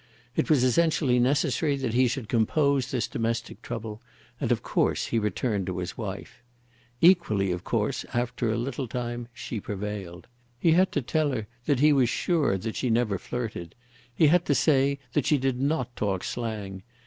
It was essentially necessary that he should compose this domestic trouble, and of course he returned to his wife. Equally of course after a little time she prevailed. He had to tell her that he was sure that she never flirted. He had to say that she did not talk slang.